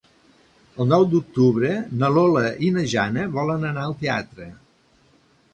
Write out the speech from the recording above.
El nou d'octubre na Lola i na Jana volen anar al teatre.